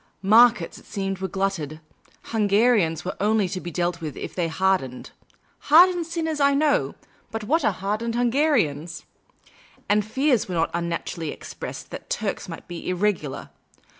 Markets, it seemed, were glutted. Hungarians were only to be dealt in if they hardened — hardened sinners I know, but what are hardened Hungarians ? And fears were not unnaturally expressed that Turks might be" irregular."